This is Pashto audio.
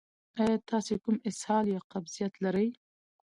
ایا تاسو کوم اسهال یا قبضیت لرئ؟